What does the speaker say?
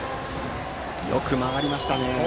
よく回りましたね。